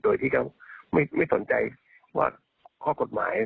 โดยที่จะไม่สนใจว่าข้อกฎหมาย